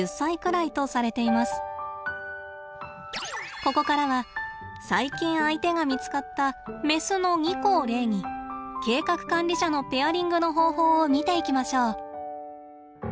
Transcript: ここからは最近相手が見つかったメスのニコを例に計画管理者のペアリングの方法を見ていきましょう。